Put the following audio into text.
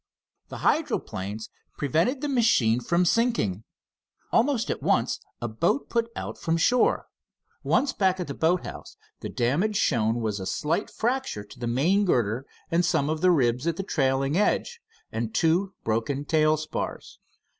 The hydroplanes prevented the machine from sinking. Almost at once a boat put out from shore. Once back at the boat house, the damage shown was a slight fracture to the main girder and some of the ribs at the trailing edge, and two broken tail spars.